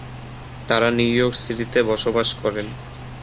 তারা New York সিটিতে বসবাস করেন।